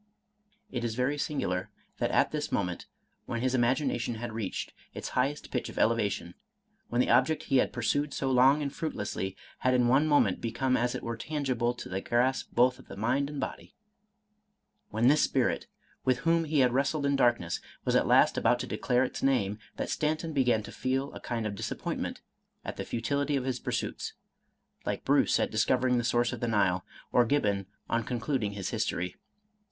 It is very singular that at this moment, when his imagination had reached its highest pitch of elevation, — ^when the ob ject he had pursued so long and fruitlessly, had in one moment become as it were tangible to the grasp both of mind and body, — when this spirit, with whom he had wrestled in darkness, was at last about to declare its name, that Stanton began to feel a kind of disappointment at the futility of his pursuits, like Bruce at discovering the source of the Nile, or Gibbon on concluding his History.